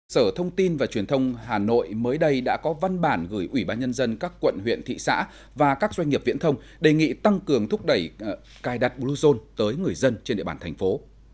sở thông tin và truyền thông hà nội mới đây đã có văn bản gửi ủy ban nhân dân các quận huyện thị xã và các doanh nghiệp viễn thông đề nghị tăng cường thúc đẩy cài đặt bluezone tới người dân trên địa bàn thành phố